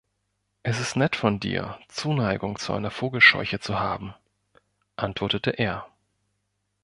„Es ist nett von dir, Zuneigung zu einer Vogelscheuche zu haben,“ antwortete er.